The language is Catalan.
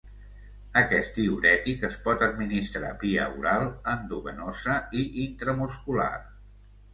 Aquest diürètic es pot administrar via oral, endovenosa i intramuscular.